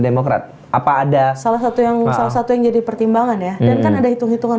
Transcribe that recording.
demokrat apa ada salah satu yang salah satu yang jadi pertimbangan ya dan kan ada hitung hitungan